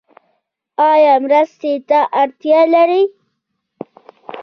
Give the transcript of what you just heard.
ایا مرستې ته اړتیا لرئ؟